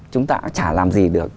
chúng ta chả làm gì được